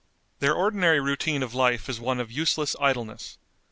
Their ordinary routine of life is one of useless idleness.